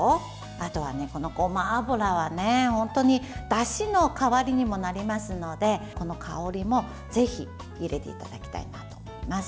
あとはこのごま油は本当にだしの代わりにもなりますのでこの香りもぜひ入れていただきたいなと思います。